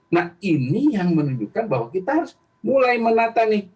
nah ini yang menunjukkan bahwa kita harus mulai menata nih